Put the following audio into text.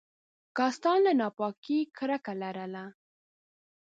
کاستان له ناپاکۍ کرکه لرله.